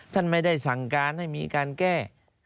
ท่านไม่ได้สั่งการให้มีการแก้